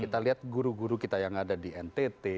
kita lihat guru guru kita yang ada di ntt